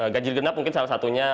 ganjil genap mungkin salah satunya